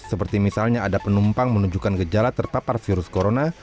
seperti misalnya ada penumpang menunjukkan gejala terpapar virus corona